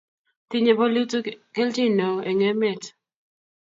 tinyei bolutik kelchin neoo eng' emet